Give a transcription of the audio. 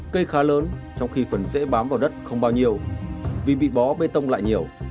cây khá lớn trong khi phần dễ bám vào đất không bao nhiêu vì bị bó bê tông lại nhiều